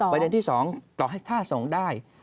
ประเด็นที่สองถ้าส่งได้